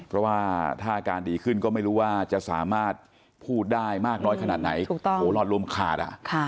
เพราะว่าถ้าอาการดีขึ้นก็ไม่รู้ว่าจะสามารถพูดได้มากน้อยขนาดไหนหลอดลมขาด